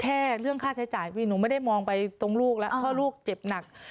แค่เรื่องค่าใช้จ่ายพี่หนูไม่ได้มองไปตรงลูกแล้วเพราะลูกเจ็บหนัก